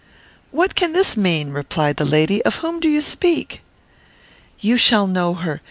"What can this mean?" replied the lady. "Of whom do you speak?" "You shall know her.